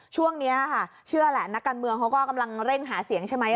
ช่วงนี้ค่ะเชื่อแหละนักการเมืองเขาก็กำลังเร่งหาเสียงใช่ไหม